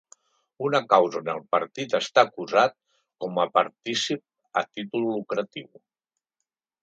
Una causa on el partit està acusat com a partícip a títol lucratiu.